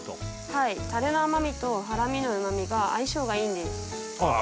はいタレの甘みとハラミの旨みが相性がいいんですああ